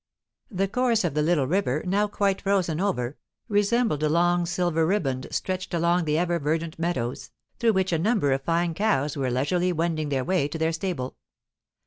The course of the little river, now quite frozen over, resembled a long silver riband stretched along the ever verdant meadows, through which a number of fine cows were leisurely wending their way to their stable.